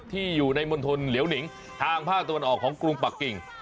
ที่อยู่ในมณฑลเหลียวหนิงทางภาคตะวันออกของกรุงปักกิ่ง